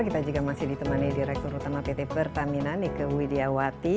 kita juga masih ditemani direktur utama pt pertamina nike widiawati